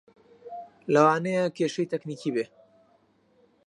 لەوانەیە کێشەی تەکنیکی بێت